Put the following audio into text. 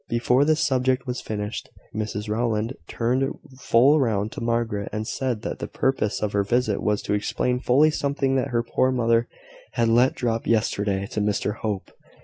Before this subject was finished, Mrs Rowland turned full round to Margaret, and said that the purpose of her visit was to explain fully something that her poor mother had let drop yesterday to Mr Hope.